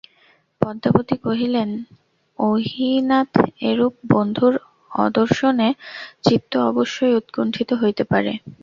পদ্মাবতী কহিলেন, অয়ি নাথ এরূপ বন্ধুর অদর্শনে চিত্ত অবশ্যই উৎকণ্ঠিত হইতে পারে।